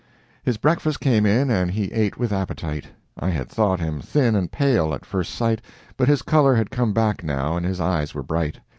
His breakfast came in and he ate with appetite. I had thought him thin and pale, at first sight, but his color had come back now, and his eyes were bright.